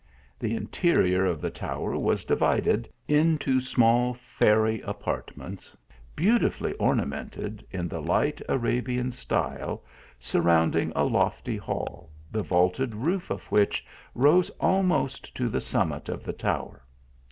The interior of the tower was divided into small fairy apartments, beautifully ornamented in the light Arabian style, surrounding a lofty hall, the vaulted roof of which rose almost to the summit of the tower.